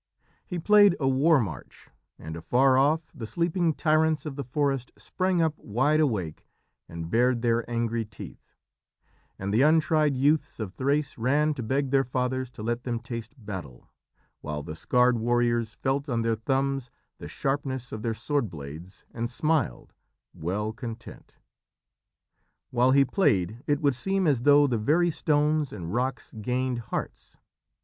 He played a war march, and, afar off, the sleeping tyrants of the forest sprang up, wide awake, and bared their angry teeth, and the untried youths of Thrace ran to beg their fathers to let them taste battle, while the scarred warriors felt on their thumbs the sharpness of their sword blades, and smiled, well content. While he played it would seem as though the very stones and rocks gained hearts.